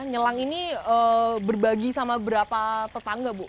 nyelang ini berbagi sama berapa tetangga bu